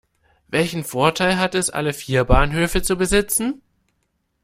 Welchen Vorteil hat es, alle vier Bahnhöfe zu besitzen?